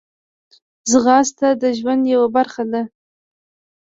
ځغاسته د ژوند یوه برخه ده